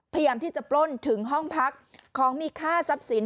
พยายามที่จะปล้นถึงห้องพักของมีค่าทรัพย์สิน